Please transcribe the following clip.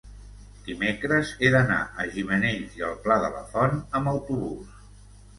dimecres he d'anar a Gimenells i el Pla de la Font amb autobús.